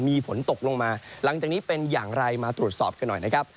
มีฝนตกลงมาหลังจากนี้เป็นอย่างไรมาตรวจสอบกันหน่อยนะครับ